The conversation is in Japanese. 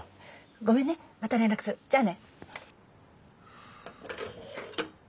ごめんねまた連絡するじゃあね。